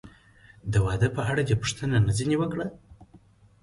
د واده په اړه دې پوښتنه نه ځنې وکړه؟